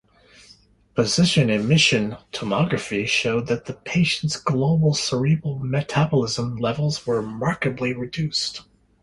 Positron emission tomography showed that the patient's global cerebral metabolism levels were markedly reduced.